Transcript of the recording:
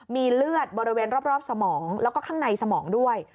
มีเลือดบริเวณรอบสมองแล้วก็ข้างในสมองด้วย